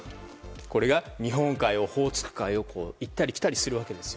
これが日本海、オホーツク海を行ったり来たりするわけです。